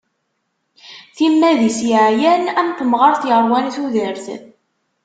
Timmad-is yeɛyan am temɣart yeṛwan tudert.